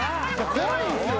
怖いんすよ。